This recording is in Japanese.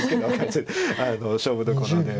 勝負どころで。